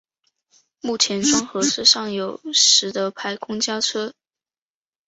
目前庄河市尚有实德牌公交车。